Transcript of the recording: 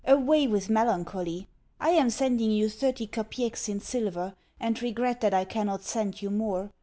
Away with melancholy! I am sending you thirty kopecks in silver, and regret that I cannot send you more.